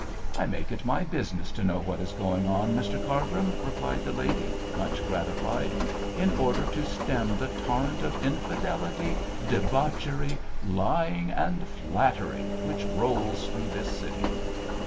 'I make it my business to know what is going on, Mr Cargrim,' replied the lady, much gratified, 'in order to stem the torrent of infidelity, debauchery, lying and flattery which rolls through this city.'